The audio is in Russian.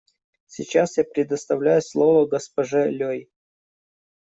Сейчас я предоставляю слово госпоже Лёй.